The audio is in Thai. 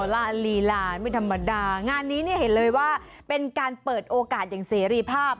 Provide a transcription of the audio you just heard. ลีลาไม่ธรรมดางานนี้เนี่ยเห็นเลยว่าเป็นการเปิดโอกาสอย่างเสรีภาพ